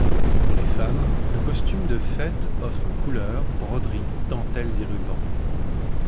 Pour les femmes, le costume de fêtes offre couleurs, broderies, dentelles et rubans.